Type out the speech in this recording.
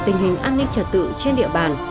tình hình an ninh trật tự trên địa bàn